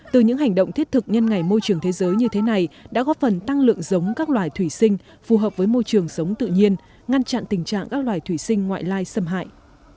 từ những hành động thiết thực nhân ngày môi trường thế giới như thế này đã góp phần tăng lượng giống các loài thủy sinh phù hợp với môi trường sống tự nhiên ngăn chặn tình trạng các loài thủy sinh ngoại lai xâm hại